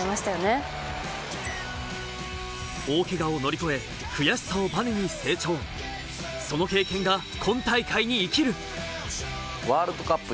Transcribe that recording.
大けがを乗り越え悔しさをバネに成長その経験が今大会に生きるワールドカップ